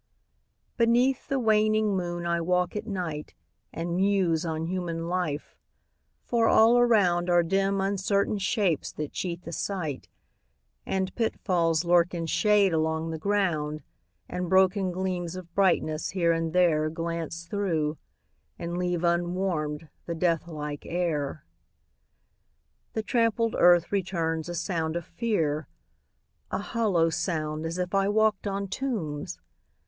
Beneath the waning moon I walk at night, And muse on human life for all around Are dim uncertain shapes that cheat the sight, And pitfalls lurk in shade along the ground, And broken gleams of brightness, here and there, Glance through, and leave unwarmed the death like air. The trampled earth returns a sound of fear A hollow sound, as if I walked on tombs!